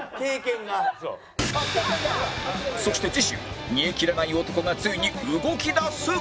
そして次週煮え切らない男がついに動き出す！